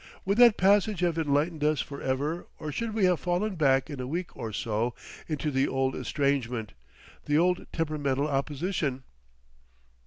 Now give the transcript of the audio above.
Would that passage have enlightened us for ever or should we have fallen back in a week or so into the old estrangement, the old temperamental opposition?